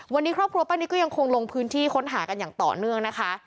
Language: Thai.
วันนี้ครอบครัวป้านิตก็ยังคงลงพื้นที่ค้นหากันอย่างต่อเนื่องนะคะ